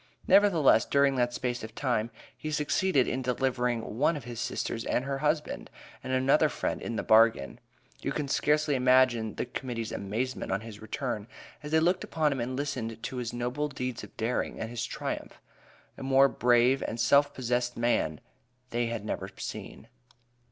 Nevertheless, during that space of time he succeeded in delivering one of his sisters and her husband, and another friend in the bargain. You can scarcely imagine the Committee's amazement on his return, as they looked upon him and listened to his "noble deeds of daring" and his triumph. A more brave and self possessed man they had never seen.